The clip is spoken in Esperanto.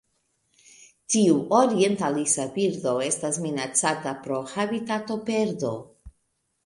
Tiu orientalisa birdo estas minacata pro habitatoperdo.